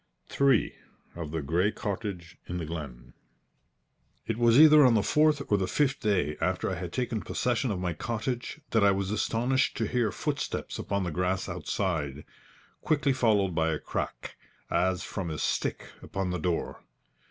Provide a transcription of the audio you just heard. III OF THE GREY COTTAGE IN THE GLEN It was either on the fourth or the fifth day after I had taken possession of my cottage that I was astonished to hear footsteps upon the grass outside, quickly followed by a crack, as from a stick upon the door.